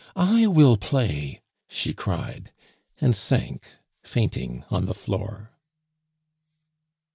"I will play!" she cried, and sank fainting on the floor.